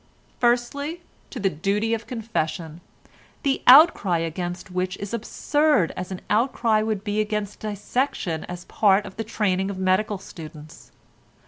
Firstly, to the duty of confession—the outcry against which is absurd as an outcry would be against dissection as part of the training of medical students.